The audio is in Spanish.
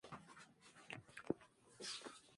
Los españoles acabaron alzándose con la victoria.